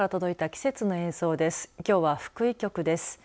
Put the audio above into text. きょうは福井局です。